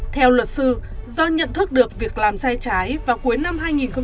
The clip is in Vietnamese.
theo luật sư do nhận thức được việc làm sai trái vào cuối năm hai nghìn một mươi bảy